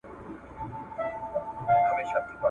ما لیدله د کور ټوله شیان په سترګو `